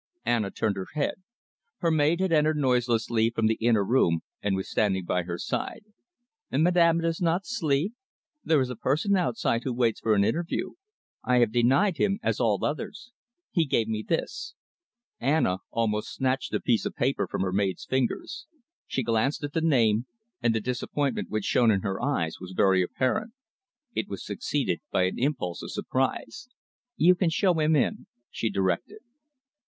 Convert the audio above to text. Anna turned her head. Her maid had entered noiselessly from the inner room and was standing by her side. "Madame does not sleep? There is a person outside who waits for an interview. I have denied him, as all others. He gave me this." Anna almost snatched the piece of paper from her maid's fingers. She glanced at the name, and the disappointment which shone in her eyes was very apparent. It was succeeded by an impulse of surprise. "You can show him in," she directed.